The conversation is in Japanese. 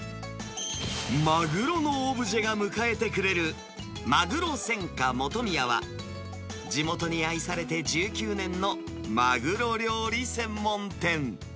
マグロのオブジェが迎えてくれる、まぐろ専科もとみやは、地元に愛されて１９年のマグロ料理専門店。